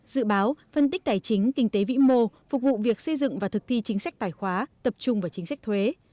dự báo phân tích tài chính kinh tế vĩ mô phục vụ việc xây dựng và thực thi chính sách tài khóa tập trung vào chính sách thuế